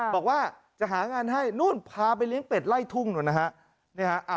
บอกว่าจะหางานให้นู่นพาไปเลี้ยงเป็ดไล่ทุ่งนู้นนะฮะ